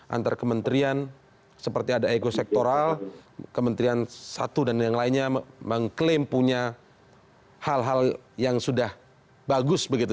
antar kementerian seperti ada ego sektoral kementerian satu dan yang lainnya mengklaim punya hal hal yang sudah bagus begitu